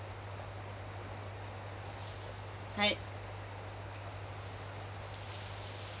はい。